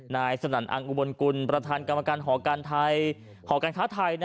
นายสนันท์อังอุบลกุลประธานกรรมการหอการท้าไทย